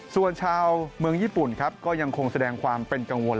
ส่วนชาวเมืองญี่ปุ่นครับก็ยังคงแสดงความเป็นกังวล